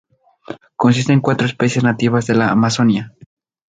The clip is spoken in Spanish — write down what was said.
Consiste en cuatro especies nativas de la Amazonia.